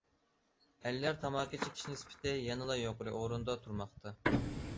ئەرلەر تاماكا چېكىش نىسبىتى يەنىلا يۇقىرى ئورۇندا تۇرماقتا.